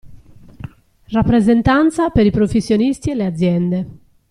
Rappresentanza per i professionisti e le aziende.